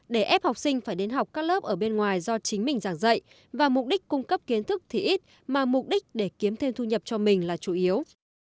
để ép học sinh phải đến học các lớp ở bên ngoài do chính mình giảng dạy và mục đích cung cấp kiến thức thì ít mà mục đích để kiếm thêm thu nhập cho mình là chủ yếu